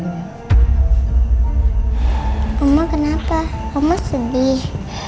mama kenapa mama sedih